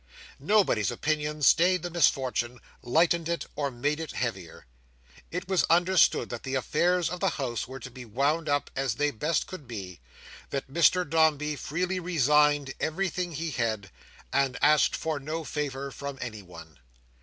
Nobody's opinion stayed the misfortune, lightened it, or made it heavier. It was understood that the affairs of the House were to be wound up as they best could be; that Mr Dombey freely resigned everything he had, and asked for no favour from anyone.